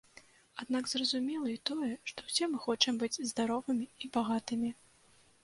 Аднак зразумела і тое, што ўсе мы хочам быць здаровымі і багатымі.